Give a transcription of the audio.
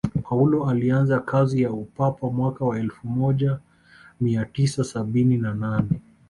paulo alianza kazi ya upapa mwaka wa elfu moja mia tisa sabini na nane